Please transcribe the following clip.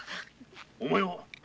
お前は？！